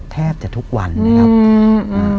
แทบจะทุกวันนะครับอืม